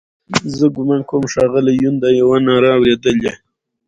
زه ګومان کوم ښاغلي یون دا یوه ناره اورېدلې.